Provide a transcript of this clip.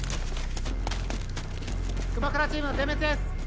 熊倉チーム全滅です。